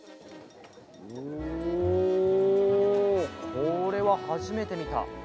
おお、これは初めて見た。